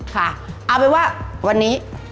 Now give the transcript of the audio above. เอาไปว่าวันนี้